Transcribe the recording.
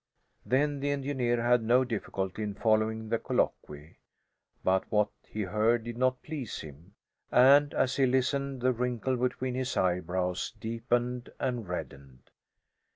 Then the engineer had no difficulty in following the colloquy. But what he heard did not please him, and, as he listened, the wrinkle between his eyebrows deepened and reddened.